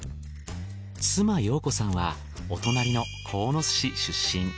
妻陽子さんはお隣の鴻巣市出身。